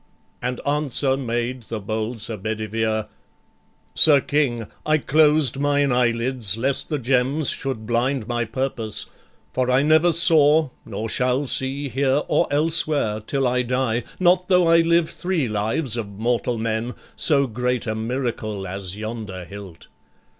And answer made the bold Sir Bedivere: "Sir King, I closed mine eyelids, lest the gems Should blind my purpose, for I never saw, Nor shall see, here or elsewhere, till I die, Not tho' I live three lives of mortal men, So great a miracle as yonder hilt.